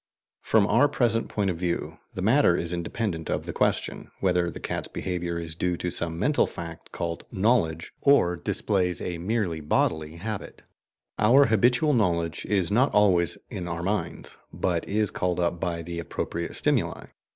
From our present point of view, the matter is independent of the question whether the cat's behaviour is due to some mental fact called "knowledge," or displays a merely bodily habit. Our habitual knowledge is not always in our minds, but is called up by the appropriate stimuli.